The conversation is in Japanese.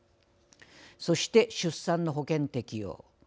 そして、出産の保険適用。